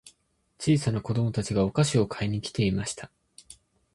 小さな子供たちがお菓子を買いに来ていました。